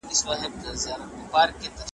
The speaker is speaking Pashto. هغه وويل چي بوټونه پاک ساتل مهم دي!؟